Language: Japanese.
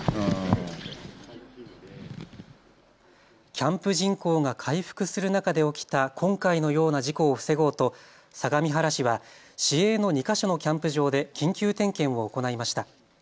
キャンプ人口が回復する中で起きた今回のような事故を防ごうと相模原市は市営の２か所のキャンプ場で緊急点検を行いました。